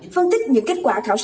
phân tích những kết quả thảo sát